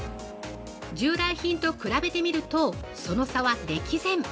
従来品と比べてみると、その差は歴然。